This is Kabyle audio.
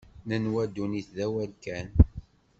Nenwa ddunit d awal kan.